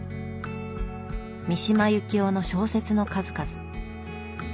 三島由紀夫の小説の数々。